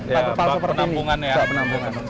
ya bawa penampungan ya